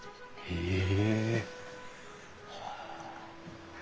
へえ！